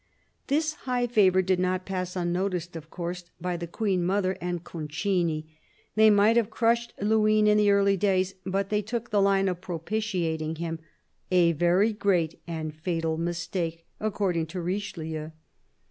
This high favour did not pass unnoticed, of course, by the Queen mother and Concini. They might have crushed Luynes in the early days, but they took the line of propitiating him — a very great and fatal mistake, according to Richelieu.